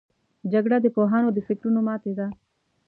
جګړه د پوهانو د فکرونو ماتې ده